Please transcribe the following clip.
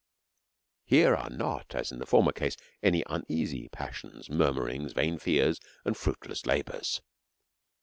Here are not, as in the former case, any uneasy passions, murmuring s, vain fears, and fruitless labours.